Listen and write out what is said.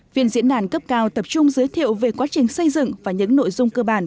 viện diễn đàn cấp cao tập trung giới thiệu về quá trình xây dựng và những nội dung cơ bản